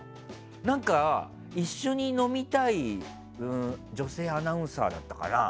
何か、一緒に飲みたい女性アナウンサーだったかな。